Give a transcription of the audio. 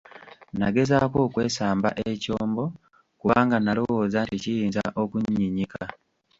Nagezaako okwesamba ekyombo kubanga nalowooza nti kiyinza okunnyinyika.